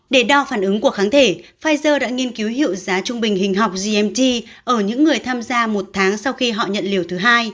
để đo phản ứng của kháng thể pfizer đã nghiên cứu hiệu giá trung bình hình học gmt ở những người tham gia một tháng sau khi họ nhận liều thứ hai